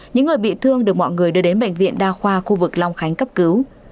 những người bị thương được mọi người đưa đến bệnh viện đa khoa khu vực long khánh cấp cứu